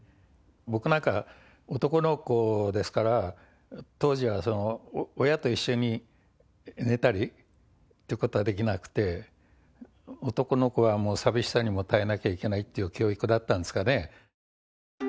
僕なんか、男の子ですから、当時は親と一緒に寝たりっていうことはできなくて、男の子は寂しさにも耐えなきゃいけないっていう教育だったんですかね。